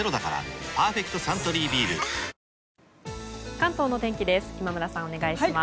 関東の天気です。